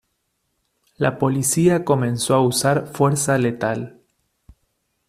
La policía comenzó a usar fuerza letal.